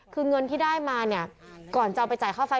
คือเงินที่ได้มาเนี่ยก่อนจะเอาไปจ่ายค่าไฟ